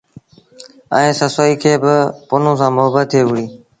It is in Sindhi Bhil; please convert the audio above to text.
ائيٚݩ سسئيٚ کي با پنهون سآݩ مهبت ٿئي وُهڙي۔